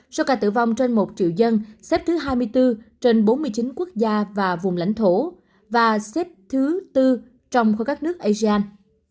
số ca tử vong trên một triệu dân xếp thứ hai mươi bốn trên bốn mươi chín quốc gia và vùng lãnh thổ và xếp thứ tư trong khối các nước asean